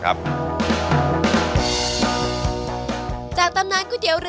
เช่นอาชีพพายเรือขายก๋วยเตี๊ยว